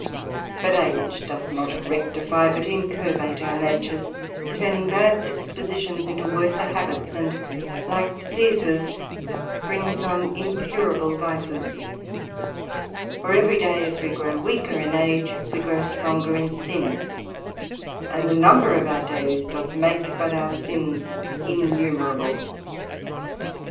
But age doth not rectifie, but incurvate our natures, turning bad dispositions into worser habits, and (like diseases) brings on incurable vices; for every day as we grow weaker in age, we grow stronger in sin; and the number of our days doth make but our sins innumerable.